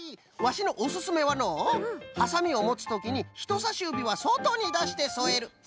ワシのおすすめはのうはさみをもつときにひとさしゆびはそとにだしてそえる。